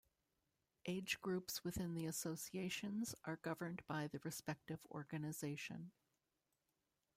Age groups within the associations are governed by the respective organization.